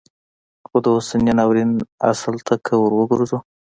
خو د اوسني ناورین اصل ته که وروګرځو